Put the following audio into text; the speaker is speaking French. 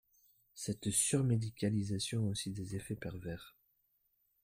Cette surmédicalisation a aussi des effets pervers.